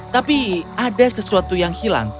tapi ada sesuatu yang hilang